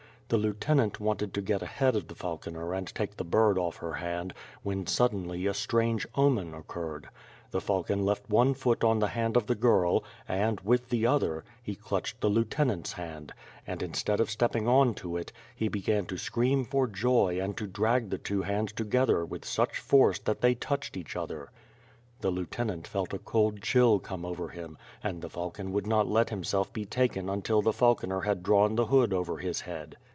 The lieutenant wanted to get ahead of the falconer and take the bird off her hand, when suddenly a strange omen occurred. The falcon left one foot on the hand of the girl, and, with the other, he clutched the Lieutenant's hand; and instead of stepping on to it, he began to scream for joy and to drag the two hands together with such force that they touched each other. The lieutenant felt a cold chill come over him and the falcon would not let himself be taken until the falconer had drawn the hood over his head.